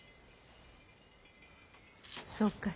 そうかい。